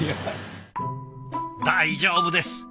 大丈夫です！